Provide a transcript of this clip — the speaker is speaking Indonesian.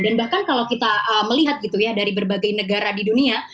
dan bahkan kalau kita melihat gitu ya dari berbagai negara di dunia